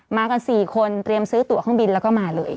มากัน๔คนเตรียมซื้อตัวเครื่องบินแล้วก็มาเลย